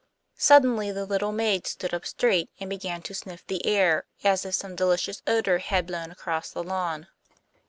Suddenly the little maid stood up straight, and began to sniff the air, as if some delicious odour had blown across the lawn.